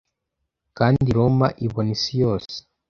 kandi roma ibona isi yose